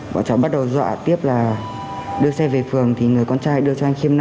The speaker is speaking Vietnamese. bọn cháu bắt đầu dọa tiếp là đưa xe về phường thì người con trai đưa cho anh khiêm năm trăm linh nghìn